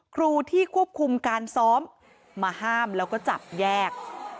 ครูที่ควบคุมการซ้อมมาห้ามแล้วก็จับแยก